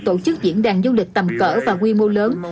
tổ chức diễn đàn du lịch tầm cỡ và quy mô lớn